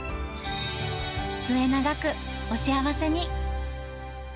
末永く、お幸せに。